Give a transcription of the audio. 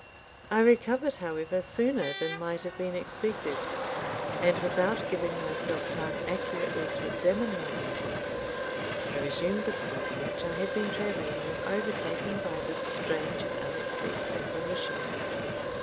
I recovered, however, sooner than might have been expected, and without giving myself time accurately to examine my motives. I resumed the path on which I had been travelling when overtaken by this strange and unexpected apparition.